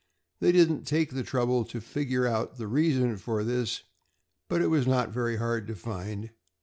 They didn't take the trouble to figure out the reason for this, but it was not very hard to find.